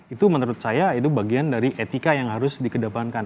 itu menurut saya itu bagian dari etika yang harus dikedepankan